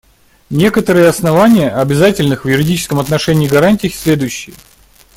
Некоторые основания обязательных в юридическом отношении гарантий следующие.